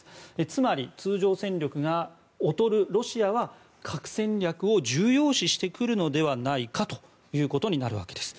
つまり、通常戦力が劣るロシアは核戦略を重要視してくるのではないかとなるわけです。